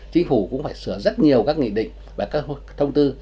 chính phủ cũng phải sửa rất nhiều các nghị định và các thông tư